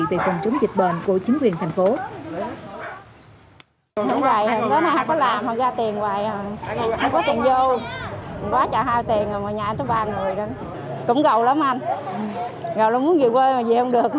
về phòng chống dịch bệnh của chính quyền thành phố